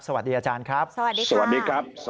สวัสดีอาจารย์ครับสวัสดีค่ะสวัสดีครับ